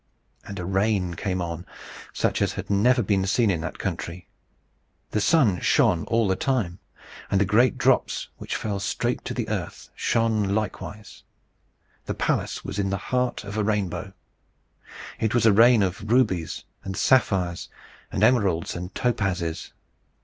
And a rain came on, such as had never been seen in that country. The sun shone all the time, and the great drops, which fell straight to the earth, shone likewise. The palace was in the heart of a rainbow. It was a rain of rubies, and sapphires, and emeralds, and topazes.